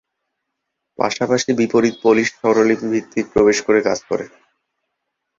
পাশাপাশি বিপরীত পোলিশ স্বরলিপি ভিত্তিক প্রবেশ করে কাজ করে।